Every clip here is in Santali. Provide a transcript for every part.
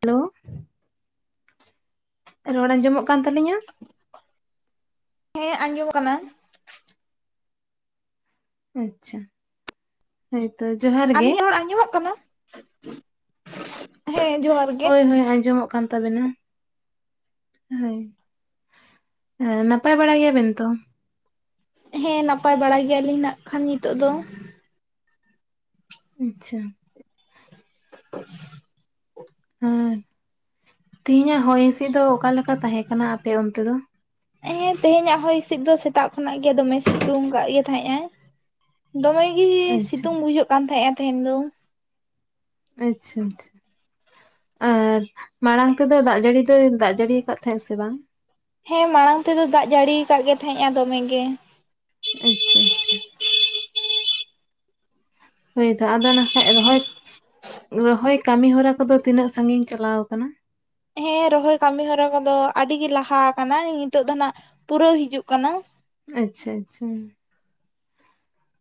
ᱦᱮᱞᱳ ᱨᱚᱲ ᱟᱸᱡᱚᱢᱚᱜ ᱠᱟᱱ ᱛᱟᱞᱤᱧᱟ ᱦᱮᱸ ᱟᱸᱡᱚᱢ ᱠᱟᱱᱟ ᱟᱪᱪᱷᱟ ᱦᱚᱭᱛᱚ ᱡᱚᱦᱟᱨ ᱜᱮ ᱟᱹᱞᱤᱧᱟᱜ ᱨᱚᱲ ᱟᱸᱡᱚᱢᱚᱜ ᱠᱟᱱᱟ ᱦᱮᱸ ᱡᱚᱦᱟᱨ ᱜᱮ ᱦᱳᱭ ᱦᱳᱭ ᱟᱸᱡᱚᱢᱚᱜ ᱠᱟᱱ ᱛᱟᱵᱮᱱᱟ᱾ ᱦᱳᱭ ᱱᱟᱯᱟᱭ ᱵᱟᱲᱟ ᱜᱮᱭᱟ ᱵᱮᱱ ᱛᱚ? ᱦᱮᱸ ᱱᱟᱯᱟᱭ ᱵᱟᱲᱟ ᱜᱮᱭᱟᱞᱤᱧ ᱱᱟᱜ ᱠᱷᱟᱱ ᱱᱤᱛᱚᱜ ᱫᱚ ᱟᱪᱪᱷᱟ [unintelligible] ᱦᱮᱸ ᱛᱮᱦᱮᱧᱟᱜ ᱦᱚᱭ ᱦᱤᱥᱤᱫ ᱫᱚ ᱚᱠᱟᱞᱮᱠᱟ ᱛᱟᱦᱮᱸ ᱠᱟᱱᱟ ᱟᱯᱮ ᱚᱱᱛᱮ ᱫᱚ? ᱦᱮᱸ ᱛᱮᱦᱮᱧᱟᱜ ᱦᱚᱭ ᱦᱤᱸᱥᱤᱫ ᱫᱚ ᱥᱮᱛᱟᱜ ᱠᱷᱚᱱᱟᱜ ᱜᱮ ᱫᱚᱢᱮ ᱥᱤᱛᱩᱝ ᱟᱠᱟᱫ ᱜᱮ ᱛᱟᱦᱮᱸᱜ ᱟᱭ ᱫᱚᱢᱮ ᱜᱮ ᱟᱪᱪᱷᱟ ᱥᱤᱛᱩᱝ ᱵᱩᱡᱷᱟᱹᱜ ᱠᱟᱱ ᱛᱟᱦᱮᱸᱼᱟ ᱛᱮᱦᱮᱧ ᱫᱚ ᱟᱪᱪᱷᱟ ᱟᱪᱪᱷᱟ ᱟᱨ ᱢᱟᱲᱟᱝ ᱛᱮᱫᱚ ᱫᱟᱜ ᱡᱟᱹᱲᱤ ᱫᱚᱭ ᱫᱟᱜ ᱡᱟᱹᱲᱤᱭᱟ ᱟᱠᱟᱫ ᱛᱟᱦᱮᱸᱜᱫ ᱥᱮ ᱵᱟᱝ? ᱦᱮᱸ ᱢᱟᱲᱟᱝ ᱛᱮᱫᱚ ᱫᱟᱜ ᱡᱟᱹᱲᱤᱭᱟ ᱟᱠᱟᱫ ᱜᱮ ᱛᱟᱦᱮᱸᱫᱼᱟ ᱫᱚᱢᱮ ᱜᱮ ᱟᱪᱪᱷᱟ ᱟᱪᱪᱷᱟ ᱦᱳᱭ ᱛᱚ ᱟᱫᱚ ᱱᱟ ᱠᱷᱟᱱ ᱨᱚᱦᱚᱭ ᱨᱚᱦᱚᱭ ᱠᱟᱹᱢᱤ ᱦᱚᱨᱟ ᱠᱚᱫᱚ ᱛᱤᱱᱟᱹᱜ ᱥᱟᱺᱜᱤᱧ ᱪᱟᱞᱟᱣ ᱟᱠᱟᱱᱟ ᱦᱮᱸ ᱨᱚᱦᱚᱭ ᱠᱟᱹᱢᱤ ᱦᱚᱨᱟ ᱠᱚᱫᱚ ᱟᱹᱰᱤᱜᱤ ᱞᱟᱦᱟ ᱟᱠᱟᱱᱟ ᱱᱤᱛᱚᱜ ᱫᱚ ᱱᱟᱜ ᱯᱩᱨᱟᱹᱣ ᱦᱤᱡᱩᱜ ᱠᱟᱱᱟ᱾ ᱟᱪᱪᱷᱟ ᱟᱪᱪᱷᱟ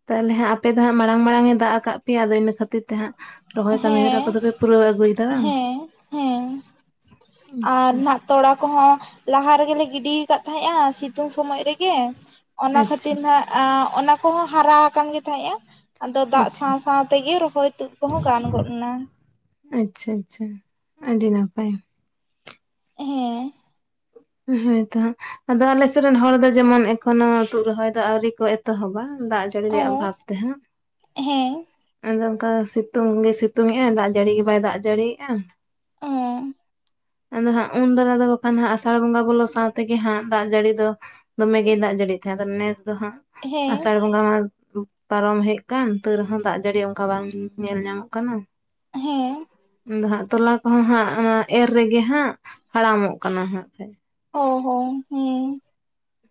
ᱛᱟᱦᱚᱞᱮ ᱦᱟᱸᱜ ᱟᱯᱮ ᱫᱚ ᱦᱟᱸᱜ ᱢᱟᱲᱟᱝ ᱢᱟᱲᱟᱝ ᱮ ᱫᱟᱜ ᱟᱠᱟᱫ ᱯᱮᱭᱟ ᱟᱫᱚ ᱤᱱᱟᱹ ᱠᱷᱟᱹᱛᱤᱨ ᱛᱮ ᱦᱟᱸᱜ ᱨᱚᱦᱚᱭ ᱠᱟᱹᱢᱤ ᱦᱮᱸ ᱦᱚᱨᱟ ᱠᱚ ᱫᱚᱯᱮ ᱯᱩᱨᱟᱹᱣ ᱟᱹᱜᱩᱭᱮᱫᱟ ᱵᱟᱝ ᱦᱮᱸ ᱦᱮᱸ ᱟᱨ ᱟᱪᱪᱷᱟ ᱱᱟᱜ ᱛᱚᱞᱟ ᱠᱚᱦᱚᱸ ᱞᱟᱦᱟ ᱨᱮᱜᱮᱞᱮ ᱜᱤᱰᱤ ᱟᱠᱟᱫ ᱛᱟᱦᱮᱸᱫᱼᱟ ᱥᱤᱛᱩᱝ ᱥᱚᱢᱚᱭ ᱨᱮᱜᱮ ᱚᱱᱟ ᱟᱪᱪᱷᱟ ᱠᱷᱟᱹᱛᱤᱨ ᱱᱟᱜ ᱚᱱᱟ ᱠᱚᱦᱚᱸ ᱦᱟᱨᱟ ᱟᱠᱟᱱ ᱜᱮ ᱛᱟᱦᱮᱸᱫᱼᱟ ᱟᱫᱚ ᱫᱟᱜ ᱟᱪᱪᱷᱟ ᱥᱟᱶ ᱥᱟᱶ ᱛᱮᱜᱮ ᱨᱚᱦᱚᱭ ᱛᱩᱫ ᱠᱚᱦᱚᱸ ᱜᱟᱱ ᱜᱚᱫ ᱱᱟ ᱟᱪᱪᱷᱟ ᱟᱪᱪᱷᱟ ᱟᱹᱰᱤ ᱱᱟᱯᱟᱭ ᱦᱮᱸ ᱦᱚᱭ ᱛᱚ ᱦᱟᱸᱜ ᱟᱫᱚ ᱟᱞᱮᱥᱮᱫ ᱨᱮᱱ ᱦᱚᱲ ᱫᱚ ᱡᱮᱢᱚᱱ ᱮᱠᱷᱚᱱᱳ ᱛᱫ ᱨᱚᱦᱚᱭ ᱫᱚ ᱟᱹᱣᱨᱤ ᱠᱚ ᱮᱛᱚᱦᱚᱵᱟ ᱫᱟᱜ ᱪᱟᱹᱲᱤ ᱨᱮᱭᱟᱜ ᱚ ᱚᱵᱷᱟᱵᱽ ᱛᱮ ᱦᱟᱸᱜ ᱦᱮᱸ ᱟᱫᱚ ᱚᱱᱠᱟ ᱥᱤᱛᱩᱝ ᱜᱮᱭ ᱥᱤᱛᱩᱝ ᱮ ᱟᱭ ᱫᱟᱜ ᱡᱟᱹᱲᱤ ᱜᱮ ᱵᱟᱭ ᱫᱟᱜ ᱡᱟᱹᱲᱤᱭᱮᱫᱼᱟ ᱚ ᱟᱫᱚ ᱦᱟᱸᱜ ᱩᱱ ᱫᱟᱨᱟ ᱫᱚ ᱵᱟᱠᱷᱟᱱ ᱦᱟᱸᱜ ᱟᱥᱟᱲ ᱵᱚᱸᱜᱟ ᱵᱚᱞᱚ ᱥᱟᱶ ᱛᱮᱜᱮ ᱦᱟᱸᱜ ᱫᱟᱜ ᱡᱟᱹᱲᱤ ᱫᱚ ᱫᱚᱢᱮ ᱜᱮᱭ ᱫᱟᱜ ᱡᱟᱹᱲᱤ ᱛᱟᱦᱮᱸᱫ ᱱᱮᱥ ᱫᱚ ᱦᱟᱸᱜ ᱦᱮᱸ ᱟᱥᱟᱲ ᱵᱚᱸᱜᱟ ᱢᱟ ᱯᱟᱨᱚᱢ ᱦᱮᱡ ᱟᱠᱟᱱ ᱛ ᱨᱮᱦᱚᱸ ᱫᱟᱜ ᱡᱟᱹᱲᱤ ᱚᱱᱠᱟ ᱵᱟᱝ ᱧᱮᱞ ᱧᱟᱢᱚᱜ ᱠᱟᱱᱟ ᱦᱮᱸ ᱟᱫᱚ ᱦᱟᱸᱜ ᱛᱚᱞᱟ ᱠᱚᱦᱚᱸ ᱦᱟᱸᱜ ᱚᱱᱟ ᱮᱨ ᱨᱮᱜᱮ ᱦᱟᱸᱜ ᱦᱟᱲᱟᱢᱚᱜ ᱠᱟᱱᱟ ᱦᱟᱸᱜ ᱠᱷᱟᱡ ᱚ ᱚ ᱦᱮᱸ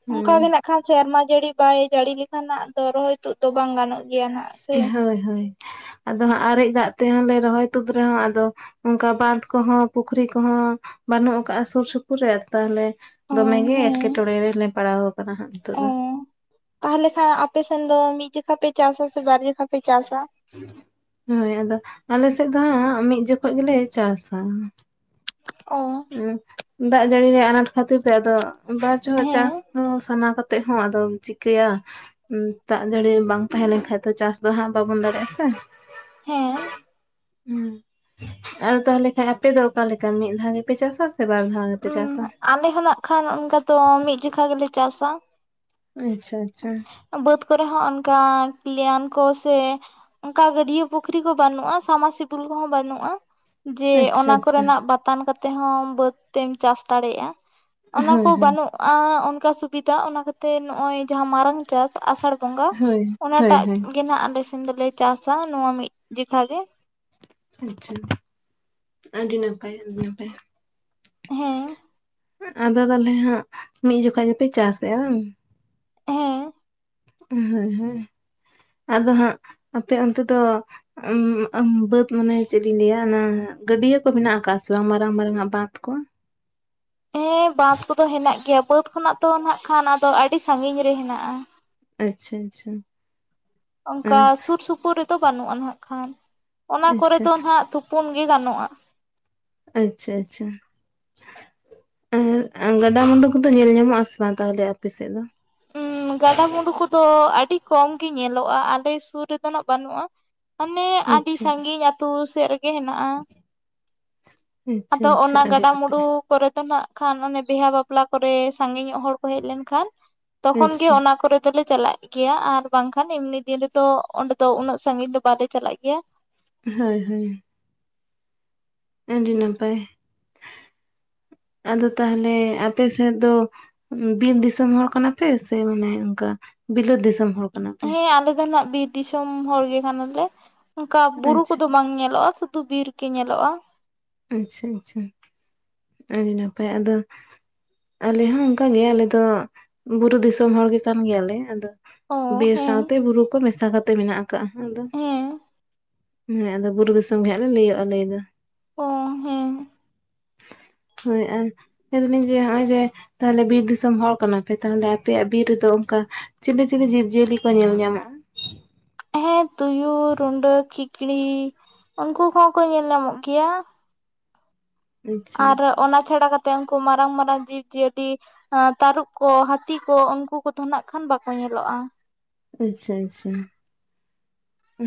ᱦᱮᱸ ᱚᱱᱠᱟ ᱜᱮ ᱢᱮᱱᱟᱜ ᱠᱷᱟᱱ ᱥᱮᱨᱢᱟ ᱡᱟᱹᱲᱤ ᱵᱟᱭ ᱡᱟᱹᱲᱤ ᱞᱮᱠᱷᱟᱱ ᱱᱟᱜ ᱫᱚ ᱨᱚᱦᱚᱭ ᱛᱳᱫ ᱫᱚ ᱵᱟᱝ ᱜᱟᱱᱚᱜᱼᱟ ᱦᱳᱭ ᱦᱳᱭ ᱟᱫᱚ ᱦᱟᱸᱜ ᱟᱨᱮᱡ ᱫᱟᱜ ᱛᱮᱦᱚᱸ ᱨᱚᱦᱚᱭ ᱛᱩᱫ ᱨᱮᱦᱚᱸ ᱟᱫᱚ ᱚᱱᱠᱟ ᱵᱟᱸᱫᱷ ᱠᱚᱦᱚᱸ ᱯᱩᱠᱷᱨᱤ ᱠᱚᱦᱚᱸ ᱵᱟᱹᱱᱩᱜ ᱠᱟᱜᱼᱟ ᱥᱩᱨ ᱥᱩᱯᱩᱨ ᱨᱮ ᱛᱟᱦᱚᱞᱮ ᱚ ᱫᱚᱢᱮ ᱜᱮ ᱦᱮᱸ ᱮᱴᱠᱮᱴᱚᱬᱮ ᱨᱮᱞᱮ ᱯᱟᱲᱟᱣ ᱟᱠᱟᱱᱟ ᱦᱟᱸᱜ ᱱᱤᱛᱚᱜ ᱚ ᱫᱚ ᱛᱟᱦᱚᱞᱮ ᱠᱷᱟᱜ ᱟᱯᱮ ᱥᱮᱱ ᱫᱚ ᱢᱤᱫ ᱡᱚᱠᱷᱟ ᱯᱮ ᱪᱟᱥᱟ ᱥᱮ ᱵᱟᱨ ᱡᱚᱠᱷᱟ ᱯᱮ ᱪᱟᱥᱟ? ᱦᱳᱭ ᱟᱫᱚ ᱟᱞᱮ ᱥᱮᱫ ᱫᱚ ᱦᱟᱸᱜ ᱢᱤᱫ ᱡᱚᱠᱷᱚ ᱜᱮᱞᱮ ᱪᱟᱥᱟ ᱚ ᱫᱟᱜ ᱡᱟᱹᱲᱤ ᱨᱮᱭᱟᱜ ᱟᱱᱟᱴ ᱠᱷᱟᱹᱛᱤᱨ ᱛᱮ ᱟᱫᱚ ᱵᱟᱨ ᱡᱚᱦᱚᱜ ᱦᱮᱸ ᱪᱟᱥ ᱥᱟᱱᱟ ᱠᱟᱛᱮᱫ ᱦᱚᱸ ᱟᱫᱚᱢ ᱪᱤᱠᱟᱹᱭᱟ᱾ ᱫᱟᱜ ᱡᱟᱹᱲᱤ ᱵᱟᱝ ᱛᱟᱦᱮᱸ ᱞᱮᱱ ᱠᱷᱟᱡ ᱫᱚ ᱪᱟᱥ ᱫᱚ ᱦᱟᱸᱜ ᱵᱟᱵᱚᱱ ᱫᱟᱲᱮᱭᱟᱜᱼᱟ ᱥᱮ᱾ ᱦᱮᱸ ᱟᱫᱚ ᱛᱟᱦᱚᱞᱮ ᱠᱷᱟᱱ ᱟᱯᱮ ᱫᱚ ᱚᱠᱟᱞᱮᱠᱟ ᱢᱤᱫ ᱫᱷᱟᱣ ᱜᱮᱯᱮ ᱪᱟᱥᱟ? ᱵᱟᱨ ᱫᱷᱟᱣ ᱯᱮ ᱩᱸ ᱪᱟᱥᱟ? ᱟᱞᱮ ᱦᱚᱸ ᱱᱟᱜ ᱠᱷᱟᱱ ᱚᱱᱠᱟ ᱛᱚ ᱢᱤᱫ ᱡᱚᱠᱷᱟ ᱜᱮᱞᱮ ᱪᱟᱥᱟ᱾ ᱟᱪᱪᱷᱟ ᱟᱪᱪᱷᱟ ᱵᱟᱹᱫᱽ ᱠᱚᱨᱮ ᱦᱚᱸ ᱚᱱᱠᱟ ᱞᱮᱭᱟᱱ ᱠᱚ ᱥᱮ ᱚᱱᱠᱟ ᱜᱟᱹᱰᱭᱟᱹ ᱯᱩᱠᱷᱨᱤ ᱠᱚ ᱵᱟᱹᱱᱩᱜᱼᱟ ᱥᱟᱢᱟᱨᱥ ᱥᱤᱛᱩᱞ ᱠᱚᱦᱚᱸ ᱵᱟᱹᱱᱩᱜ-ᱟ᱾ ᱡᱮ ᱟᱪᱪᱷᱟ ᱚᱱᱟ ᱟᱪᱪᱷᱟ ᱠᱚᱨᱮᱱᱟᱜ ᱵᱟᱛᱟᱱ ᱠᱟᱛᱮᱫ ᱦᱚᱸ ᱵᱟᱹᱫᱽ ᱛᱮᱢ ᱪᱟᱥ ᱫᱟᱲᱮᱭᱟᱜᱼᱟ᱾ ᱚᱱᱟ ᱦᱳᱭ ᱠᱚ ᱦᱳᱭ ᱵᱟᱹᱱᱩᱜ-ᱟ ᱚᱱᱠᱟ ᱥᱩᱵᱤᱫᱷᱟ ᱚᱱᱟᱠᱟᱛᱮ ᱱᱚᱜᱼᱚᱭ ᱡᱟᱦᱟᱸ ᱢᱟᱨᱟᱝ ᱪᱟᱥ ᱟᱥᱟᱲ ᱵᱚᱸᱜᱟ ᱦᱳᱭ ᱦᱳᱭ ᱚᱱᱟᱴᱟᱜ ᱦᱳᱭ ᱜᱮ ᱦᱟᱸᱜ ᱟᱞᱮ ᱥᱮᱱ ᱫᱚᱞᱮ ᱪᱟᱥᱟ ᱱᱚᱣᱟ ᱢᱤᱫ ᱡᱚᱠᱷᱟ ᱜᱮ᱾ ᱟᱪᱪᱷᱟ ᱟᱹᱰᱤ ᱱᱟᱯᱟᱭ ᱟᱯᱮ ᱦᱚᱸᱯᱮ ᱦᱮᱸ ᱟᱫᱚ ᱛᱟᱦᱚᱞᱮ ᱦᱟᱸᱜ ᱢᱤᱫ ᱡᱚᱠᱷᱚᱡ ᱜᱮᱯᱮ ᱪᱟᱥᱮᱜᱼᱟ ᱵᱟᱝ? ᱦᱮᱸ ᱟᱫᱚ ᱦᱟᱸᱜ ᱟᱯᱮ ᱚᱱᱛᱮ ᱫᱚ ᱩ ᱩᱸ ᱵᱟᱹᱫᱽ ᱢᱟᱱᱮ ᱪᱮᱫ ᱤᱧ ᱞᱟᱹᱭᱟ ᱚᱱᱟ ᱜᱟᱹᱰᱭᱟᱹ ᱠᱚ ᱢᱮᱱᱟᱜ ᱟᱠᱟᱫ ᱥᱮ ᱵᱟᱝ ᱢᱟᱨᱟᱝ ᱢᱟᱨᱟᱝ ᱟᱜ ᱵᱟᱸᱫᱽ ᱠᱚ? ᱦᱮᱸ ᱵᱟᱸᱫᱽ ᱠᱚᱫᱚ ᱦᱮᱱᱟᱜ ᱜᱮᱭᱟ ᱵᱟᱹᱫᱽ ᱠᱷᱚᱱᱟᱜ ᱛᱚ ᱱᱟᱜ ᱠᱷᱟᱱ ᱟᱫᱚ ᱟᱹᱰᱤ ᱥᱟᱹᱜᱤᱧ ᱨᱮ ᱦᱮᱱᱟᱜ-ᱟ᱾ ᱟᱪᱪᱷᱟ ᱟᱪᱪᱷᱟ ᱚᱱᱠᱟ ᱥᱩᱨ ᱥᱩᱯᱩᱨ ᱨᱮᱫᱚ ᱵᱟᱹᱱᱩᱜᱼᱟ ᱱᱟᱜ ᱠᱷᱟᱱ ᱚᱱᱟ ᱠᱚᱨᱮ ᱟᱪᱪᱷᱟ ᱫᱚ ᱱᱟᱦᱟᱜ ᱠᱚᱢ ᱜᱮ ᱜᱟᱱᱚᱜ-ᱟ᱾ ᱟᱪᱪᱷᱟ ᱟᱪᱪᱷᱟ ᱟᱨ ᱜᱟᱰᱟᱢᱩᱸᱰᱩ ᱠᱚᱫᱚ ᱧᱮᱞ ᱧᱟᱢᱚᱜ ᱟᱥᱮ ᱵᱟᱝ ᱛᱟᱦᱚᱞᱮ ᱟᱯᱮᱥᱮᱫ ᱫᱚ? ᱦᱩᱸ ᱜᱟᱰᱟ-ᱢᱩᱸᱰᱩ ᱠᱚᱫᱚ ᱟᱹᱰᱤ ᱠᱚᱢ ᱜᱮ ᱧᱮᱞᱚᱜ-ᱟ ᱟᱞᱮ ᱥᱩᱨ ᱨᱮᱫᱚ ᱱᱟᱜ ᱵᱟᱹᱱᱩᱜ-ᱟ᱾ ᱢᱟᱱᱮ ᱟᱹᱰᱤ ᱟᱪᱪᱷᱟ ᱥᱟᱺᱜᱤᱧ ᱟᱹᱛᱩ ᱥᱮᱫ ᱨᱮ᱾ ᱜᱮ ᱦᱮᱱᱟᱜ-ᱟ ᱟᱪᱪᱷᱟ ᱟᱫᱚ ᱟᱪᱪᱷᱟ ᱚᱱᱟ ᱟᱹᱰᱤ ᱜᱟᱰᱟ ᱢᱩᱸᱰᱩ ᱱᱟᱯᱟᱭ ᱠᱚᱨᱮ ᱫᱚ ᱱᱟᱜ ᱠᱷᱟᱱ ᱚᱱᱮ ᱵᱤᱦᱟᱹ ᱵᱟᱯᱞᱟ ᱠᱚᱨᱮ ᱥᱟᱺᱜᱤ ᱧᱚᱜ ᱦᱚᱲ ᱠᱚ ᱦᱮᱡ ᱞᱮᱱ ᱠᱷᱟᱱ ᱛᱚᱠᱷᱚᱱ ᱜᱮ ᱟᱪᱪᱷᱟ ᱚᱱᱟ ᱠᱚᱨᱮ ᱫᱚᱞᱮ ᱪᱟᱞᱟᱜ ᱜᱮᱭᱟ ᱟᱨ ᱵᱟᱝᱠᱷᱟᱱ ᱮᱢᱱᱤ ᱫᱤᱱ ᱨᱮᱫᱚ ᱚᱸᱰᱮ ᱫᱚ ᱩᱱᱟᱹᱜ ᱥᱟᱺᱜᱤᱧ ᱫᱚ ᱵᱟᱞᱮ ᱪᱟᱞᱟᱜ ᱜᱮᱭᱟ᱾ ᱦᱳᱭ ᱦᱳᱭ ᱟᱹᱰᱤ ᱱᱟᱯᱟᱭ ᱟᱫᱚ ᱛᱟᱦᱚᱞᱮ ᱟᱯᱮ ᱥᱮᱫ ᱫᱚ ᱵᱤᱨ ᱫᱤᱥᱚᱢ ᱦᱚᱲ ᱠᱟᱱᱟ ᱯᱮ ᱥᱮ ᱚᱱᱠᱟ ᱵᱤᱞᱟᱹᱛ ᱫᱤᱥᱚᱢ ᱦᱚᱲ? ᱠᱟᱱᱟ ᱯᱮ ᱦᱳᱭ ᱟᱞᱮ ᱫᱚ ᱱᱟᱜ ᱵᱤᱨ ᱫᱤᱥᱚᱢ ᱦᱚᱲ ᱜᱮ ᱠᱟᱱᱟᱞᱮ᱾ ᱚᱱᱠᱟ ᱵᱩᱨᱩ ᱟᱪᱪᱷᱟ ᱠᱚᱫᱚ ᱵᱟᱝ ᱧᱮᱞᱚᱜ-ᱟ ᱥᱩᱫᱷᱩ ᱵᱤᱨ ᱜᱮ ᱧᱮᱞᱚᱜ-ᱟ᱾ ᱟᱪᱪᱷᱟ ᱟᱪᱪᱷᱟ ᱟᱹᱰᱤ ᱱᱟᱯᱟᱭ ᱟᱫᱚ ᱟᱞᱮ ᱦᱚᱸ ᱚᱱᱠᱟ ᱜᱮ ᱟᱞᱮ ᱫᱚ ᱵᱩᱨᱩ ᱫᱤᱥᱚᱢ ᱦᱚᱲ ᱜᱮ ᱠᱟᱱ ᱜᱮᱭᱟᱞᱮ ᱟᱫᱚ᱾ ᱚ ᱵᱤᱨ ᱦᱮᱸ ᱥᱟᱶᱛᱮ ᱵᱩᱨᱩ ᱠᱚ ᱢᱮᱥᱟ ᱠᱟᱛᱮᱜ ᱢᱮᱱᱟᱜ ᱟᱠᱟᱜ-ᱟ ᱟᱫᱚ᱾ ᱦᱮᱸ ᱦᱮᱸ ᱟᱫᱚ ᱵᱩᱨᱩ ᱫᱤᱥᱚᱢ ᱜᱮ ᱦᱟᱸᱜ ᱞᱮ ᱞᱟᱹᱭᱟᱹᱜ-ᱟ ᱞᱟᱹᱭ ᱫᱚ᱾ ᱚ ᱦᱮᱸ ᱦᱳᱭ ᱟᱨ ᱢᱮᱱ ᱫᱟᱞᱤᱧ ᱡᱮ ᱱᱚᱜ-ᱚᱭ ᱡᱮ ᱛᱟᱦᱚᱞᱮ ᱵᱤᱨ ᱫᱤᱥᱚᱢ ᱦᱚᱲ ᱠᱟᱱᱟᱯᱮ ᱛᱟᱦᱚᱞᱮ ᱟᱯᱮᱭᱟᱜ ᱵᱤᱨ ᱨᱮᱫᱚ ᱚᱱᱠᱟ ᱪᱤᱞᱤ ᱪᱤᱞᱤ ᱡᱤᱵᱽ ᱡᱤᱭᱟᱹᱞᱤ ᱠᱚ ᱧᱮᱞ ᱧᱟᱢᱚᱜ-ᱟ? ᱦᱮᱸ ᱛᱩᱭᱩ, ᱨᱩᱸᱰᱟᱹ, ᱠᱷᱤᱠᱲᱤ ᱩᱱᱠᱩ ᱠᱚᱦᱚᱸ ᱠᱚ ᱧᱮᱞ ᱧᱟᱢᱚᱜ ᱜᱮᱭᱟ᱾ ᱟᱪᱪᱷᱟ ᱟᱨ ᱟᱪᱪᱷᱟ ᱚᱱᱟ ᱪᱷᱟᱰᱟ ᱠᱟᱛᱮᱫ ᱩᱱᱠᱩ ᱢᱟᱨᱟᱝ ᱢᱟᱨᱟᱝ ᱡᱤᱵᱽᱡᱤᱭᱟᱹᱞᱤ ᱛᱟᱹᱨᱩᱵ ᱠᱚ, ᱦᱟᱹᱛᱤ ᱠᱚ, ᱩᱱᱠᱩ ᱠᱚ ᱛᱚ ᱱᱟᱜ ᱠᱷᱟᱱ ᱵᱟᱠᱚ ᱧᱮᱞᱚᱜ-ᱟ᱾ ᱟᱪᱪᱷᱟ ᱟᱪᱪᱷᱟ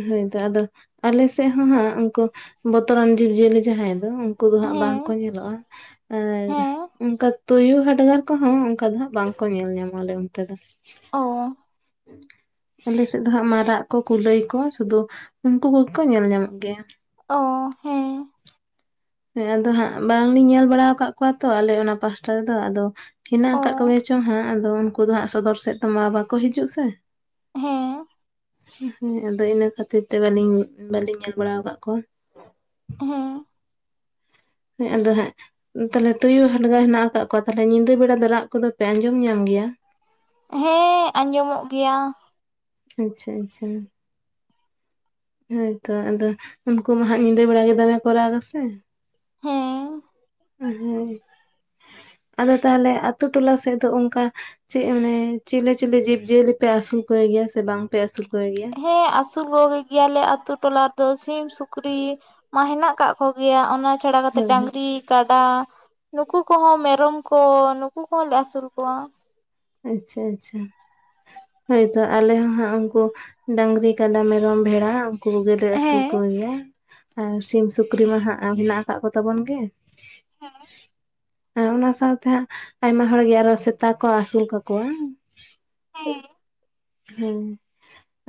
ᱦᱳᱭᱛᱚ ᱟᱫᱚ ᱟᱞᱮ ᱥᱮᱫ ᱦᱚᱸ ᱦᱟᱸᱜ ᱩᱱᱠᱩ ᱵᱚᱛᱚᱨᱟᱱ ᱡᱤᱵ ᱡᱤᱭᱟᱹᱞᱤ ᱡᱟᱦᱟᱸᱭ ᱫᱚ ᱩᱱᱠᱩ ᱫᱚ ᱦᱟᱸᱜ ᱦᱮᱸ ᱵᱟᱝᱠᱚ ᱧᱮᱞᱚᱜᱼᱟ ᱟᱨ ᱦᱮᱸ ᱚᱱᱠᱟ ᱛᱩᱭᱩ ᱦᱟᱰᱜᱟᱨ ᱠᱚᱦᱚᱸ ᱚᱱᱠᱟ ᱫᱚ ᱦᱟᱸᱜ ᱵᱟᱝᱠᱚ ᱧᱮᱞ ᱧᱟᱢᱟ ᱟᱞᱮ ᱚᱱᱛᱮ ᱫᱚ᱾ ᱚ ᱟᱞᱮ ᱥᱮᱫ ᱫᱚ ᱦᱟᱸᱜ ᱢᱟᱨᱟᱜ ᱠᱚ ᱠᱩᱞᱟᱹᱭ ᱠᱚ ᱥᱩᱫᱩ ᱩᱱᱠᱩ ᱠᱚᱜᱮᱠᱚ ᱧᱮᱞ ᱧᱟᱢᱚᱜ ᱜᱮᱭᱟ᱾ ᱚ ᱦᱮᱸ ᱦᱮᱸ ᱟᱫᱚ ᱦᱟᱸᱜ ᱵᱟᱝᱞᱤᱧ ᱧᱮᱞ ᱵᱟᱲᱟ ᱟᱠᱟᱫ ᱠᱚᱣᱟ ᱛᱚ ᱟᱞᱮ ᱚᱱᱟ ᱯᱟᱥᱴᱟ ᱨᱮᱫᱚ ᱟᱫᱚ, ᱦᱮᱱᱟᱜ ᱚ ᱟᱠᱟᱫ ᱠᱚᱜᱮᱭᱟ ᱪᱚᱝ ᱦᱟᱸᱜ ᱟᱫᱚ ᱩᱱᱠᱩ ᱫᱚ ᱦᱟᱸᱜ ᱥᱚᱫᱚᱨ ᱥᱮᱫ ᱛᱚ ᱢᱟ ᱵᱟᱠᱚ ᱦᱤᱡᱩᱜ ᱥᱮ᱾ ᱦᱮᱸ ᱦᱮᱸ ᱟᱫᱚ ᱤᱱᱟᱹ ᱠᱷᱟᱹᱛᱤᱨ ᱛᱮ ᱵᱟᱞᱤᱧ ᱵᱟᱞᱤᱧ ᱧᱮᱞ ᱵᱟᱲᱟ ᱟᱠᱟᱫ ᱠᱚᱣᱟ᱾ ᱦᱮᱸ ᱦᱮ ᱟᱫᱚ ᱦᱟᱸᱜ ᱛᱟᱞᱦᱮ ᱛᱩᱭᱩ ᱦᱟᱰᱜᱟᱨ ᱦᱮᱱᱟᱜ ᱟᱠᱟᱫ ᱠᱚᱣᱟ ᱛᱟᱦᱚᱞᱮ ᱧᱤᱫᱟᱹ ᱵᱮᱲᱟ ᱫᱚ ᱨᱟᱜ ᱠᱚᱫᱚ ᱯᱮ ᱟᱸᱡᱚᱢ ᱧᱟᱢ ᱜᱮᱭᱟ? ᱦᱮᱸ ᱟᱸᱡᱚᱢᱚᱜ ᱜᱮᱭᱟ᱾ ᱟᱪᱪᱷᱟ ᱟᱪᱪᱷᱟ ᱦᱳᱭᱛᱚ ᱟᱫᱚ ᱩᱱᱠᱩ ᱢᱟ ᱦᱟᱜ ᱧᱤᱫᱟᱹ ᱵᱮᱲᱟ ᱜᱮ ᱫᱚᱢᱮ ᱠᱚ ᱨᱟᱜ ᱟᱥᱮ᱾ ᱦᱮᱸ ᱦᱳᱭ ᱟᱫᱚ ᱛᱟᱦᱚᱞᱮ ᱟᱛᱳ ᱴᱚᱞᱟ ᱥᱮᱫ ᱫᱚ ᱚᱱᱠᱟ ᱪᱮᱫ ᱢᱟᱱᱮ ᱪᱤᱞᱮ ᱪᱤᱞᱤ ᱡᱤᱵᱽᱡᱤᱭᱟᱹᱞᱤ ᱯᱮ ᱟᱥᱩᱞ ᱠᱚᱣᱮ ᱜᱮᱭᱟ ᱥᱮ ᱵᱟᱝᱯᱮ ᱟᱥᱩᱞ ᱠᱚᱣᱟᱭ ᱜᱮᱭᱟ? ᱦᱮᱸ ᱟᱹᱥᱩᱞ ᱠᱚᱜᱮ ᱜᱮᱭᱟᱞᱮ ᱟᱛᱳ ᱴᱚᱞᱟ ᱨᱮᱫᱚ ᱥᱤᱢ, ᱥᱩᱠᱨᱤ ᱢᱟ ᱦᱮᱱᱟᱜ ᱟᱠᱟᱜ ᱠᱚᱜᱮᱭᱟ ᱚᱱᱟ ᱪᱷᱟᱲᱟ ᱠᱟᱛᱮᱫ ᱦᱳᱭ ᱦᱳᱭ ᱰᱟᱝᱨᱤ ᱠᱟᱰᱟ ᱱᱩᱠᱩ ᱠᱚᱦᱚᱸ ᱢᱮᱨᱚᱢ ᱠᱚ ᱱᱩᱠᱩ ᱠᱚᱦᱚᱸ ᱞᱮ ᱟᱹᱥᱩᱞ ᱠᱚᱣᱟ᱾ ᱟᱪᱪᱷᱟ ᱟᱪᱪᱷᱟ ᱦᱳᱭᱛᱳ ᱟᱞᱮ ᱦᱚᱸ ᱦᱟᱸᱜ ᱩᱱᱠᱩ ᱰᱟᱝᱨᱤ, ᱠᱟᱰᱟ, ᱢᱮᱨᱚᱢ, ᱵᱷᱮᱲᱟ ᱩᱱᱠᱩ ᱠᱚ ᱜᱮᱞᱮ ᱟᱹᱥᱩᱞ ᱦᱮᱸ ᱠᱚᱜᱮᱭᱟ ᱟᱨ ᱥᱤᱢ ᱥᱩᱠᱨᱤ ᱢᱟ ᱦᱟᱸᱜ ᱢᱮᱱᱟᱜᱮ ᱟᱠᱟᱫ ᱠᱚᱛᱟᱵᱚᱱ ᱜᱮ᱾ ᱦᱮᱸ ᱚᱱᱟ ᱥᱟᱶᱛᱮ ᱦᱟᱸᱜ ᱟᱭᱢᱟ ᱦᱚᱲᱜᱮ ᱟᱨᱚ ᱥᱮᱛᱟ ᱠᱚ ᱟᱹᱥᱩᱞ ᱠᱟᱠᱚᱣᱟ᱾ ᱦᱮᱸ ᱦᱮᱸ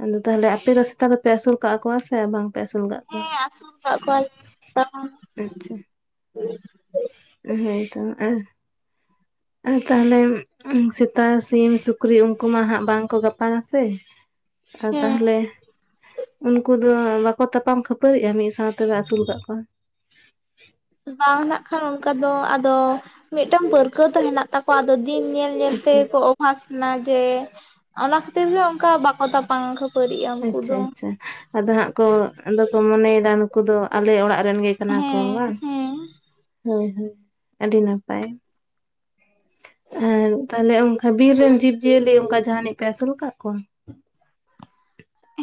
ᱟᱫᱚ ᱛᱟᱦᱚᱞᱮ ᱟᱯᱮ ᱫᱚ ᱥᱮᱛᱟ ᱫᱚᱯᱮ ᱟᱹᱥᱩᱞ ᱠᱟᱜ ᱠᱚᱣᱟ ᱥᱮ ᱵᱟᱝ ᱯᱮ ᱟᱹᱥᱩᱞ ᱠᱟᱜ ᱠᱚᱣᱟ? ᱦᱮᱸ ᱟᱹᱥᱩᱞ ᱠᱟᱜ ᱠᱚᱣᱟᱞᱮ ᱥᱮᱛᱟ, ᱦᱮ ᱦᱳᱭ ᱛᱚ ᱟᱨ, ᱟᱨ ᱛᱟᱦᱞᱮ ᱥᱮᱛᱟ, ᱥᱤᱢ, ᱥᱩᱠᱨᱤ ᱩᱱᱠᱩ ᱢᱟ ᱦᱟᱜ ᱵᱟᱝᱠᱚ ᱜᱟᱯᱟ ᱥᱮ᱾ ᱟᱨ ᱦᱮᱸ ᱛᱟᱦᱚᱞᱮ ᱩᱱᱠᱩ ᱫᱚ ᱵᱟᱠᱚ ᱛᱟᱯᱟᱢ ᱠᱷᱟᱹᱯᱟᱹᱨᱤᱜᱼᱟ ᱢᱤᱫ ᱥᱟᱶᱛᱮᱯᱮ ᱟᱹᱥᱩᱞ ᱟᱠᱟᱫ ᱠᱚᱣᱟ? ᱵᱟᱝ ᱦᱟᱸᱜ ᱠᱷᱟᱱ ᱚᱱᱠᱟ ᱫᱚ ᱟᱫᱚ ᱢᱤᱫᱴᱟᱝ ᱯᱟᱹᱨᱠᱟᱹᱣ ᱫᱚ ᱦᱮᱱᱟᱜ ᱛᱟᱠᱚᱣᱟ ᱟᱫᱚ ᱫᱤᱱ ᱧᱮᱞ ᱧᱮᱞ ᱟᱪᱪᱷᱟ ᱛᱮᱠᱚ ᱚᱵᱷᱟᱥ ᱞᱮᱱᱟ ᱡᱮ ᱚᱱᱟ ᱠᱷᱟᱹᱛᱤᱨ ᱜᱮ ᱚᱱᱠᱟ ᱵᱟᱠᱚ ᱛᱟᱯᱟᱢ ᱠᱷᱟᱹᱯᱟᱹᱨᱤᱜᱼᱟ ᱩᱱᱠᱩ ᱟᱪᱪᱷᱟ ᱫᱚ ᱟᱪᱪᱷᱟ ᱟᱫᱚ ᱦᱟᱸᱜ ᱠᱚ ᱟᱫᱚ ᱠᱚ ᱢᱚᱱᱮᱭᱮᱫᱟ ᱱᱩᱠᱩ ᱫᱚ ᱟᱞᱮ ᱚᱲᱟᱜ ᱨᱮᱱ ᱜᱮ ᱠᱟᱱᱟ ᱠᱚ ᱦᱮᱸ ᱵᱟᱝ ᱦᱮᱸ ᱦᱳᱭ ᱦᱳᱭ ᱟᱹᱰᱤ ᱱᱟᱯᱟᱭ᱾ ᱟᱨ ᱛᱟᱦᱞᱮ ᱚᱱᱠᱟ ᱵᱤᱨ ᱨᱮᱱ ᱡᱤᱵᱽᱼᱡᱤᱭᱟᱹᱞᱤ ᱚᱱᱠᱟ ᱡᱟᱦᱟᱱᱤᱡ ᱯᱮ ᱟᱹᱥᱩᱞ ᱠᱟᱜ ᱠᱚᱣᱟ?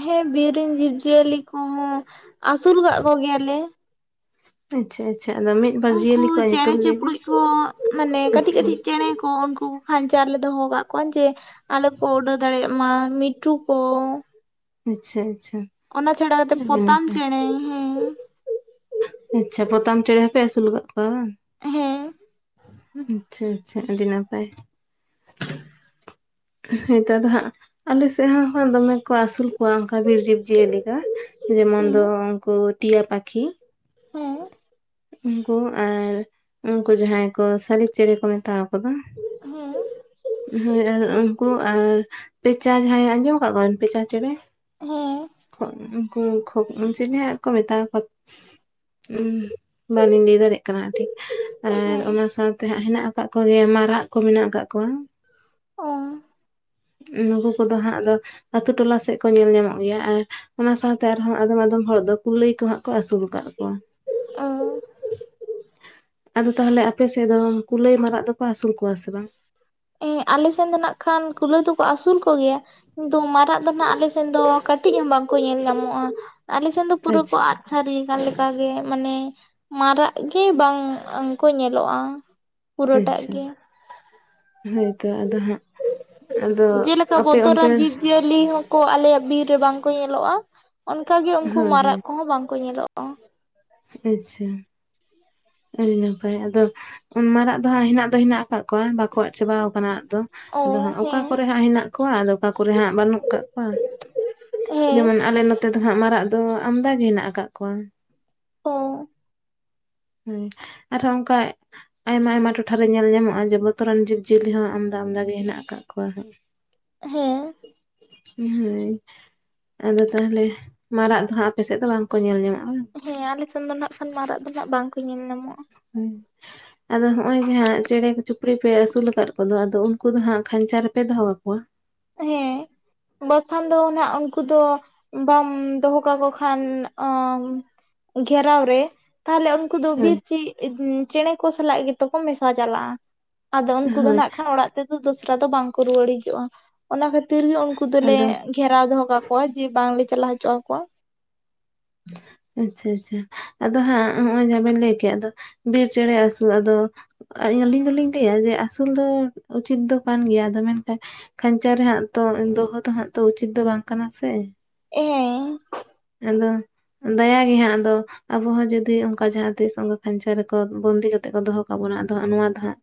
ᱦᱮᱸ ᱵᱤᱨ ᱨᱮᱱ ᱡᱤᱵᱽᱼᱡᱤᱭᱟᱹᱞᱤ ᱠᱚᱦᱚᱸ ᱟᱹᱥᱩᱞ ᱠᱟᱜ ᱠᱚᱜᱮᱭᱟᱞᱮ᱾ ᱟᱪᱪᱷᱟ ᱟᱪᱪᱷᱟ ᱟᱫᱚ ᱢᱤᱫ ᱵᱟᱨ ᱩᱱᱠᱩ ᱡᱤᱭᱟᱹᱞᱤ ᱠᱚᱣᱟᱜ ᱪᱮᱬᱮ ᱧᱩᱛᱩᱢ ᱞᱟᱹᱭ ᱵᱮᱱ ᱪᱩᱯᱨᱩᱡ ᱠᱚ ᱢᱟᱱᱮ ᱠᱟᱹᱴᱤᱡ ᱟᱪᱪᱷᱟ ᱠᱟᱹᱴᱤᱡ ᱪᱮᱬᱮ ᱠᱚ ᱩᱱᱠᱩ ᱠᱷᱟᱧᱪᱟ ᱨᱮᱞᱮ ᱫᱚᱦᱚ ᱟᱠᱟᱫ ᱠᱚᱣᱟ ᱡᱮ ᱟᱞᱚ ᱠᱚ ᱩᱰᱟᱹᱣ ᱫᱟᱲᱮᱭᱟᱜ ᱢᱟ, ᱢᱤᱴᱩ ᱠᱚ ᱟᱪᱪᱷᱟ ᱟᱪᱪᱷᱟ ᱚᱱᱟ ᱪᱷᱟᱲᱟ ᱠᱟᱛᱮ ᱟᱹᱰᱤ ᱯᱚᱛᱟᱢ ᱱᱟᱯᱟᱭ ᱪᱮᱬᱮ ᱦᱮ ᱟᱪᱪᱷᱟ ᱯᱚᱛᱟᱢ ᱪᱮᱬᱮ ᱦᱚᱸᱯᱮ ᱟᱹᱥᱩᱞ ᱠᱟᱜ ᱠᱚᱣᱟ ᱵᱟᱝ? ᱦᱮᱸ ᱦᱮᱸ ᱟᱪᱪᱷᱟ ᱟᱪᱪᱷᱟ ᱟᱹᱰᱤ ᱱᱟᱯᱟᱭ᱾ ᱱᱤᱛᱟᱨ ᱫᱚ ᱦᱟᱸᱜ ᱟᱞᱮ ᱥᱮᱫ ᱦᱚᱸ ᱫᱚᱢᱮ ᱠᱚ ᱟᱹᱥᱩᱞ ᱠᱚᱣᱟ ᱚᱱᱠᱟ ᱵᱤᱨ ᱡᱤᱵᱽᱼᱡᱤᱭᱟᱹᱞᱤ ᱫᱚ᱾ ᱦᱮᱸ ᱡᱮᱢᱚᱱᱫᱚ ᱩᱱᱠᱩ ᱴᱤᱭᱟ ᱯᱟᱠᱷᱤ ᱦᱮᱸ ᱩᱱᱠᱩ ᱟᱨ ᱩᱱᱠᱩ ᱡᱟᱦᱟᱸᱭ ᱠᱚ ᱥᱟᱹᱞᱤᱠ ᱪᱮᱬᱮ ᱠᱚ ᱢᱮᱛᱟ ᱠᱚᱫᱚ᱾ ᱦᱮᱸ ᱦᱳᱭ ᱟᱨ ᱩᱱᱠᱩ ᱟᱨ ᱯᱮᱪᱟ ᱡᱟᱦᱟᱸᱟᱭ ᱟᱸᱡᱚᱢ ᱟᱠᱟᱫ ᱵᱮᱱ ᱯᱮᱪᱟ ᱪᱮᱬᱮ? ᱦᱮᱸ᱾ ᱠᱷᱚᱜ ᱩᱱᱠᱩ ᱠᱷᱩᱜ ᱩᱱᱠᱚ ᱪᱤᱞᱤ ᱦᱟᱸᱜ ᱠᱚ ᱢᱮᱛᱟ ᱟᱠᱚᱣᱟ᱾ ᱩᱸ ᱵᱟᱹᱞᱤᱧ ᱞᱟᱹᱭ ᱫᱟᱲᱮᱭᱟᱜ ᱠᱟᱱᱟ ᱴᱷᱤᱠ᱾ ᱦᱮᱸ ᱟᱨ ᱦᱮᱸ ᱚᱱᱟ ᱥᱟᱶᱛᱮ ᱦᱟᱸᱜ ᱦᱮᱱᱟᱜ ᱟᱠᱟᱫ ᱠᱚᱜᱮᱭᱟ ᱢᱟᱨᱟᱜ ᱠᱚ ᱢᱮᱱᱟᱜ ᱟᱠᱟᱫ ᱠᱚᱣᱟ᱾ ᱚ ᱱᱩᱠᱩ ᱠᱚᱫᱚ ᱦᱟᱸᱜ ᱫᱚ ᱟᱛᱳ ᱴᱚᱞᱟ ᱥᱮᱫ ᱠᱚ ᱧᱮᱞ ᱧᱟᱢᱚᱜ ᱜᱮᱭᱟ᱾ ᱟᱨ ᱚᱱᱟ ᱥᱟᱶᱛᱮ ᱟᱨᱦᱚᱸ ᱟᱫᱚᱢ ᱟᱫᱚᱢ ᱦᱚᱲ ᱫᱚ ᱠᱩᱞᱟᱹᱭ ᱠᱚᱦᱟᱸᱜ ᱠᱚ ᱟᱹᱥᱩᱞ ᱟᱠᱟᱫ ᱠᱚᱣᱟ ᱚ ᱟᱫᱚ ᱛᱟᱦᱚᱞᱮ ᱟᱯᱮ ᱥᱮᱫ ᱫᱚ ᱠᱩᱞᱟᱹᱭ ᱢᱟᱨᱟᱜ ᱫᱚᱠᱚ ᱟᱥᱩᱞ ᱠᱚᱣᱟ ᱥᱮ ᱵᱟᱝ? ᱮ ᱟᱞᱮ ᱥᱮᱱ ᱫᱚ ᱱᱟᱜ ᱠᱷᱟᱱ ᱠᱩᱞᱟᱹᱭ ᱫᱚᱠᱚ ᱟᱥᱩᱞ ᱠᱚ ᱜᱮᱭᱟ᱾ ᱠᱤᱱᱛᱩ ᱢᱟᱨᱟᱜ ᱫᱚ ᱱᱟᱜ ᱟᱞᱮ ᱥᱮᱱ ᱫᱚ ᱠᱟᱹᱴᱤᱡ ᱦᱚᱸ ᱵᱟᱝᱠᱚ ᱧᱮᱞ ᱧᱟᱢᱚᱜᱼᱟ᱾ ᱟᱞᱮ ᱥᱮᱱᱫᱚ ᱯᱩᱨᱟᱹᱠᱚ ᱟᱪᱪᱷᱟ ᱟᱫ ᱥᱟᱹᱨᱤ ᱟᱠᱟᱱ ᱞᱮᱠᱟ᱾ ᱚᱱᱠᱟ ᱜᱮ ᱢᱟᱱᱮ ᱢᱟᱨᱟᱜ ᱜᱮ ᱵᱟᱝ ᱠᱚ ᱧᱮᱞᱚᱜᱼᱟ᱾ ᱯᱩᱨᱟᱹᱴᱟᱜ ᱟᱪᱪᱷᱟ, ᱜᱮ ᱦᱳᱭᱛᱚ ᱟᱫᱚ ᱦᱟᱸᱜ ᱟᱫᱚ, ᱡᱮᱞᱮᱠᱟ ᱟᱯᱮ ᱚᱱᱛᱮ ᱵᱚᱛᱚᱨᱟᱱ ᱡᱤᱵᱽ ᱡᱤᱭᱟᱹᱞᱤ ᱦᱚᱸᱠᱚ ᱟᱞᱮᱭᱟᱜ ᱵᱤᱨ ᱨᱮ ᱵᱟᱝ ᱠᱚ ᱧᱮᱞᱚᱜᱼᱟ, ᱚᱱᱠᱟ ᱜᱮ ᱩᱱᱠᱩ ᱦᱳᱭ ᱦᱳᱭ ᱢᱟᱨᱟᱜ ᱠᱚᱦᱚᱸ ᱵᱟᱝᱠᱚ ᱧᱮᱞᱚᱜᱼᱟ᱾ [inaudible] ᱟᱪᱪᱷᱟ ᱟᱹᱰᱤ ᱱᱟᱯᱟᱭ ᱟᱫᱚ ᱢᱟᱨᱟᱜ ᱫᱚ ᱦᱟᱸᱜ ᱦᱮᱱᱟᱜ ᱫᱚ ᱦᱮᱱᱟᱜ ᱟᱠᱟᱫ ᱠᱚᱣᱟ ᱵᱟᱠᱚ ᱟᱫ ᱪᱟᱵᱟᱣ ᱠᱟᱱᱟ ᱟᱫ ᱫᱚ ᱚ ᱟᱫᱚ ᱦᱟᱸᱜ ᱚᱠᱟ ᱦᱮᱸ ᱠᱚᱨᱮ ᱦᱟᱸᱜ ᱦᱮᱱᱟᱜ ᱠᱚᱣᱟ ᱟᱫᱚ ᱚᱠᱟ ᱠᱚᱨᱮ ᱦᱟᱸᱜ ᱵᱟᱹᱱᱩᱜ ᱠᱟᱜ ᱠᱚᱣᱟ᱾ ᱦᱮᱸ ᱡᱮᱢᱚᱱ ᱟᱞᱮ ᱱᱚᱛᱮ ᱫᱚ ᱦᱟᱸᱜ ᱢᱟᱨᱟᱜ ᱫᱚ ᱟᱢᱫᱟ ᱜᱮ ᱦᱮᱱᱟᱜ ᱟᱠᱟᱜ ᱠᱚᱣᱟ᱾ [unintelligible] ᱦᱮᱸ ᱟᱨᱦᱚᱸ ᱚᱱᱠᱟ ᱟᱭᱢᱟ ᱟᱭᱢᱟ ᱴᱚᱴᱷᱟᱨᱮ ᱧᱮᱞ ᱧᱟᱢᱚᱜᱼᱟ ᱡᱮ ᱵᱚᱛᱚᱨᱟᱱ ᱡᱤᱵᱽ ᱡᱤᱭᱟᱹᱞᱤ ᱦᱚᱸ ᱟᱢᱫᱟ ᱟᱢᱫᱟ ᱜᱮ ᱦᱮᱱᱟᱜ ᱟᱠᱟᱫ ᱠᱚᱣᱟ᱾ ᱦᱮᱸ᱾ ᱦᱳᱭ ᱟᱫᱚ ᱛᱟᱦᱚᱞᱮ ᱢᱟᱨᱟᱜ ᱫᱚ ᱦᱟᱸᱜ ᱟᱯᱮᱥᱮᱫ ᱫᱚ ᱵᱟᱝᱠᱚ ᱧᱮᱞ ᱧᱟᱢᱚᱜᱼᱟ? ᱦᱮᱸ ᱟᱞᱮᱥᱮᱱ ᱫᱚ ᱱᱟᱜ ᱠᱷᱟᱱ ᱢᱟᱨᱟᱜ ᱫᱚ ᱱᱟᱜ ᱵᱟᱝᱠᱚ ᱧᱮᱞ ᱧᱟᱢᱚᱜᱼᱟ᱾ ᱦᱮᱸ᱾ ᱟᱫᱚ ᱦᱚᱸᱜ-ᱚᱭ ᱡᱟᱦᱟᱸᱪᱮᱬᱮ ᱪᱩᱯᱨᱤ ᱯᱮ ᱟᱹᱥᱩᱞᱟ ᱟᱠᱟᱫ ᱠᱚᱫᱚ ᱟᱫᱚ ᱩᱱᱠᱩ ᱫᱚ ᱦᱟᱸᱜ ᱠᱷᱟᱧᱪᱟ ᱨᱮᱯᱮ ᱫᱚᱦᱚᱠᱟᱠᱚᱣᱟ? ᱦᱮᱸ᱾ ᱵᱟᱝᱠᱷᱟᱱ ᱫᱚ ᱱᱟᱦᱟᱜ ᱩᱱᱠᱩ ᱫᱚ ᱵᱟᱢ ᱫᱚᱦᱚ ᱠᱟᱠᱚ ᱠᱷᱟᱱ ᱟᱢ ᱜᱷᱮᱨᱟᱣ ᱨᱮ ᱛᱟᱦᱚᱞᱮ ᱩᱱᱠᱩ ᱫᱚ ᱦᱳᱭ ᱵᱤᱨ ᱪᱤᱜ ᱪᱮᱸᱬᱮ ᱠᱚ ᱥᱟᱞᱟᱜ ᱜᱮᱛᱚ ᱠᱚ ᱢᱮᱥᱟ ᱪᱟᱞᱟᱜᱼᱟ᱾ ᱟᱫᱚ ᱩᱱᱠᱩ ᱫᱚ ᱦᱳᱭ ᱱᱟᱜ ᱠᱷᱟᱱ ᱚᱲᱟᱜ ᱛᱮᱫᱚ ᱫᱚᱥᱨᱟ ᱫᱚ ᱵᱟᱝᱠᱚ ᱨᱩᱣᱟᱹᱲ ᱦᱤᱡᱚᱜᱼᱟ᱾ ᱚᱱᱟ ᱠᱷᱟᱹᱛᱤᱨ ᱜᱮ ᱩᱱ ᱠᱩ ᱫᱚᱞᱮ ᱟᱫᱚ ᱜᱷᱮᱨᱟᱣ ᱫᱚᱦᱚ ᱠᱟᱠᱚᱣᱟ ᱡᱮ ᱵᱟᱝᱞᱮ ᱪᱟᱞᱟᱣ ᱦᱚᱪᱚ ᱟᱠᱚᱣᱟ᱾ ᱟᱪᱪᱷᱟ ᱟᱪᱪᱷᱟ, ᱟᱫᱚ ᱦᱟᱸᱜ ᱦᱚᱸᱜ-ᱚᱭ ᱡᱟᱦᱟᱸ ᱵᱮᱱ ᱞᱟᱹᱭ ᱠᱮᱫ ᱟᱫᱚ ᱵᱤᱨ ᱪᱮᱸᱬᱮ ᱟᱹᱥᱩᱞ ᱟᱫᱚ ᱟᱹᱞᱤᱧ ᱫᱚᱞᱤᱧ ᱞᱟᱹᱭᱟ ᱡᱮ ᱟᱹᱥᱩᱞ ᱫᱚ ᱩᱪᱤᱛ ᱫᱚ ᱠᱟᱱ ᱜᱮᱭᱟ, ᱟᱫᱚ ᱢᱮᱱᱠᱷᱟᱡ ᱠᱷᱟᱧᱪᱟ ᱨᱮᱦᱟᱸᱜ ᱛᱚ ᱫᱚᱦᱚ ᱫᱚᱦᱟᱸᱜ ᱛᱚ ᱩᱪᱤᱛ ᱫᱚ ᱵᱟᱝ ᱠᱟᱱᱟ ᱥᱮ᱾ ᱮᱻ ᱟᱫᱚ ᱫᱟᱭᱟ ᱜᱮ ᱦᱟᱸᱜ ᱟᱫᱚ ᱟᱵᱚᱦᱚᱸ ᱡᱩᱫᱤ ᱚᱱᱠᱟ ᱡᱟᱦᱟᱸ ᱛᱤᱥ ᱚᱝᱠᱟ ᱠᱷᱟᱧᱪᱟ ᱨᱮᱠᱚ ᱵᱚᱱᱫᱤ ᱠᱟᱛᱮᱜ ᱠᱚ ᱫᱚᱦᱚ ᱠᱟ ᱵᱚᱱᱟ ᱟᱫᱚ ᱦᱟᱸᱜ ᱱᱚᱣᱟ ᱫᱚ ᱦᱟᱸᱜ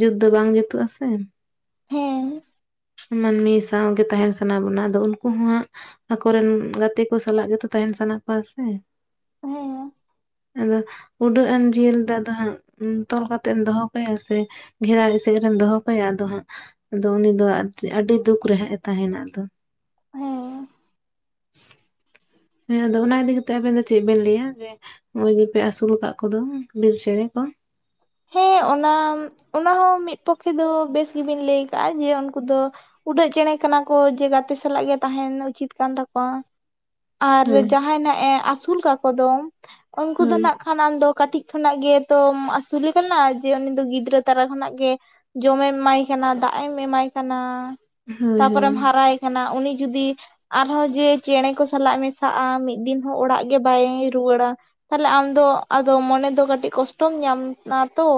ᱡᱩᱛ ᱫᱚ ᱵᱟᱝ ᱡᱩᱛᱩᱜ ᱟ ᱥᱮ? ᱦᱮᱸ᱾ ᱢᱟᱹᱱᱢᱤ ᱥᱟᱶ ᱜᱮ ᱛᱟᱦᱮᱱ ᱥᱟᱱᱟ ᱵᱚᱱᱟ ᱟᱫᱚ ᱩᱱᱠᱩ ᱦᱚᱸ ᱦᱟᱸᱜ ᱟᱠᱚᱨᱮᱱ ᱜᱟᱛᱮ ᱠᱩ ᱥᱟᱞᱟᱜ ᱜᱮᱛᱚ ᱛᱟᱦᱮᱱ ᱥᱟᱱᱟ ᱠᱚᱣᱟ ᱥᱮ ᱦᱮᱸ᱾ ᱟᱫᱚ ᱩᱰᱟᱹᱜ ᱟᱱ ᱡᱤᱭᱟᱹᱞᱤ ᱫᱚ ᱟᱫᱚ ᱦᱟᱸᱜ ᱛᱚᱞ ᱠᱟᱛᱮ ᱮᱢ ᱫᱚᱦᱚ ᱠᱟᱭᱟ ᱥᱮ ᱜᱷᱮᱨᱟ ᱮᱥᱮᱫ ᱨᱮᱢ ᱫᱚᱦᱚ ᱠᱟᱭᱟ ᱟᱫᱚ ᱦᱟᱸᱜ ᱟᱫᱚ ᱩᱱᱤ ᱫᱚ ᱟᱹᱰᱤ ᱫᱩᱠ ᱨᱮ ᱦᱟᱸᱜ ᱮ ᱛᱟᱦᱮᱱᱟ ᱟᱫᱚ ᱦᱮᱸ ᱦᱮᱸ ᱟᱫᱚ ᱚᱱᱟ ᱤᱫᱤ ᱠᱟᱛᱮᱜ ᱟᱵᱮᱱ ᱫᱚ ᱪᱮᱫ ᱵᱮᱱ ᱞᱟᱹᱭᱟ ᱡᱮ ᱱᱚᱜ ᱚᱚᱭ ᱡᱮᱯᱮ ᱟᱹᱥᱩᱩᱞ ᱟᱠᱟᱫ ᱠᱚᱫᱚ ᱵᱤᱨ ᱪᱮᱸᱬᱮ ᱠᱚ ᱦᱮᱸ ᱚᱱᱟ ᱚᱱᱟ ᱦᱚᱸ ᱢᱤᱫ ᱯᱚᱠᱠᱷᱮ ᱫᱚ ᱵᱮᱥ ᱜᱮᱵᱤᱱ ᱞᱟᱹᱭ ᱟᱠᱟᱟᱜᱼᱟ ᱡᱮ ᱩᱱᱠᱩ ᱫᱚ ᱩᱰᱟᱹᱜ ᱪᱮᱬᱮ ᱠᱟᱱᱟ ᱠᱚ ᱡᱮ ᱜᱟᱛᱮ ᱥᱟᱞᱟᱜ ᱜᱮ ᱛᱟᱦᱮᱱ ᱩᱪᱤᱛ ᱠᱟᱱ ᱛᱟᱠᱚᱣᱟ᱾ ᱟᱨ ᱦᱳᱭ ᱡᱟᱦᱟᱸᱭ ᱼ ᱮ ᱟᱹᱥᱩᱞ ᱠᱟᱠᱚ ᱫᱚ ᱩᱱᱠᱩ ᱫᱚ ᱦᱳᱭ ᱱᱟᱜ ᱠᱷᱟᱱ ᱟᱢ ᱫᱚ ᱠᱟᱹᱴᱤᱡ ᱠᱷᱚᱱᱟᱜ ᱜᱮᱛᱚᱢ ᱟᱹᱥᱩᱞᱮ ᱠᱟᱱᱟ ᱡᱮ ᱩᱱᱤ ᱫᱚ ᱜᱤᱫᱽᱨᱟᱹ ᱛᱟᱨᱟ ᱠᱷᱚᱱᱟᱜ ᱜᱮ ᱡᱚᱢᱮᱢ ᱮᱢᱟᱭ ᱠᱟᱱᱟ ᱫᱟᱜ ᱮᱢ ᱮᱢᱟᱭ ᱠᱟᱱᱟ᱾ ᱦᱳᱭ ᱛᱟᱯᱚᱨᱮᱢ ᱦᱳᱭ ᱦᱟᱨᱟᱭ ᱠᱟᱱᱟ ᱩᱱᱤ ᱡᱩᱫᱤ ᱟᱨᱦᱚᱸ ᱡᱮ ᱪᱮᱬᱮ ᱠᱚ ᱥᱟᱞᱟᱜ ᱢᱮᱥᱟᱜᱼᱟ ᱢᱤᱫ ᱫᱤᱱ ᱦᱚᱸ ᱚᱲᱟᱜ ᱜᱮ ᱵᱟᱭ ᱨᱩᱣᱟᱹᱲᱟ᱾ ᱛᱟᱦᱞᱮ ᱟᱢ ᱫᱚ ᱟᱫᱚ ᱢᱚᱱᱮ ᱫᱚ ᱠᱟᱹᱴᱤᱡ ᱠᱚᱥᱴᱚᱢ ᱧᱟᱢ ᱚᱱᱟ ᱛᱚ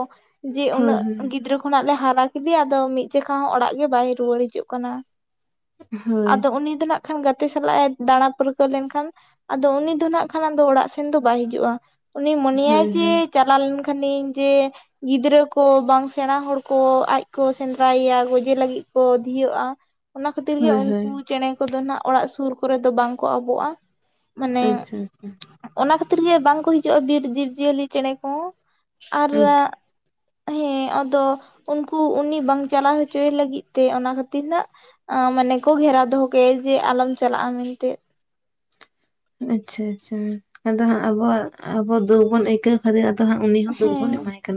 ᱡᱮ ᱦᱳᱭ ᱩᱱᱟᱹᱜ ᱜᱤᱫᱽᱨᱟᱹ ᱠᱷᱚᱱᱟᱜ ᱞᱮ ᱦᱟᱨᱟ ᱠᱮᱫᱮᱭᱟ ᱟᱫᱚ ᱢᱤᱫ ᱡᱮᱠᱟ ᱦᱚᱸ ᱚᱲᱟᱜ ᱜᱮ ᱵᱟᱭ ᱨᱩᱣᱟᱹᱲ ᱦᱤᱡᱩᱜ ᱠᱟᱱᱟ᱾ ᱦᱳᱭ ᱟᱫᱚ ᱩᱱᱤ ᱫᱚ ᱱᱟᱜ ᱠᱷᱟᱱ ᱜᱟᱛᱮ ᱥᱟᱞᱟᱜᱼ ᱮ ᱫᱟᱬᱟ ᱯᱟᱹᱨᱠᱟᱹᱣ ᱞᱮᱱᱠᱷᱟᱱ ᱟᱫᱚ ᱩᱱᱤ ᱫᱚ ᱱᱟᱜ ᱠᱷᱟᱱ ᱫᱚ ᱚᱲᱟᱜ ᱥᱮᱱ ᱫᱚ ᱵᱟᱭ ᱦᱤᱡᱩᱜᱼᱟ᱾ ᱩᱱᱤ ᱢᱚᱱᱮᱭᱟᱭ ᱦᱳᱭ ᱡᱮ ᱦᱳᱭ ᱪᱟᱞᱟᱣ ᱞᱮᱱ ᱠᱷᱟᱱᱤᱧ ᱡᱮ ᱜᱤᱫᱽᱨᱟᱹ ᱠᱚ ᱵᱟᱝ ᱥᱮᱬᱟ ᱦᱚᱲ ᱠᱚ ᱟᱡ ᱠᱚ ᱥᱮᱸᱫᱽᱨᱟᱭᱮᱭᱟ ᱜᱚᱡᱮ ᱞᱟᱹᱜᱤᱫ ᱠᱚ ᱫᱷᱤᱭᱟᱹᱜᱼᱟ᱾ ᱚᱱᱟ ᱠᱷᱟᱹᱛᱤᱨ ᱜᱮ ᱦᱳᱭ ᱩᱱᱠᱩ ᱦᱳᱭ ᱪᱮᱬᱮ ᱠᱚᱫᱚ ᱱᱟᱜ ᱚᱲᱟᱜ ᱥᱩᱨ ᱠᱚᱨᱮ ᱫᱚ ᱵᱟᱝ ᱠᱚ ᱟᱵᱚᱜᱼᱟ᱾ ᱢᱟᱱᱮ ᱟᱪᱪᱷᱟ ᱚᱱᱟ ᱠᱷᱟᱹᱛᱤᱨ ᱜᱮ ᱵᱟᱝᱠᱚ ᱦᱤᱡᱩᱜᱼᱟ ᱵᱤᱨ ᱡᱤᱵᱽᱡᱤᱭᱟᱹᱞᱤ ᱪᱮᱬᱮ ᱠᱚᱦᱚᱸ ᱟᱨ ᱟᱪᱪᱷᱟ ᱦᱮᱸ ᱟᱫᱚ ᱩᱱᱠᱩ ᱩᱱᱤ ᱵᱟᱝ ᱪᱟᱞᱟᱣ ᱦᱚᱪᱚᱭᱮ ᱞᱟᱹᱜᱤᱫ ᱛᱮ ᱚᱱᱟ ᱠᱷᱟᱹᱛᱤᱨ ᱱᱟᱜ ᱢᱟᱱᱮ ᱠᱚ ᱜᱷᱮᱨᱟ ᱫᱚᱦᱚ ᱠᱟᱭᱟ ᱡᱮ ᱟᱞᱚᱢ ᱪᱟᱞᱟᱜᱼᱟ ᱢᱮᱱᱛᱮ ᱟᱪᱪᱷᱟ ᱟᱪᱪᱷᱟ ᱟᱫᱚ ᱦᱟᱸᱜ ᱟᱵᱚᱣᱟᱜ ᱟᱵᱚ ᱫᱩ ᱵᱚᱱ ᱟᱹᱭᱠᱟᱹᱣ ᱠᱷᱟᱹᱤᱨ ᱟᱫᱚ ᱦᱟᱸᱜ ᱩᱱᱤ ᱦᱚᱸ ᱫᱩᱵᱚᱱ ᱦᱮᱸ ᱮᱢᱟᱭ ᱠᱟᱱᱟ᱾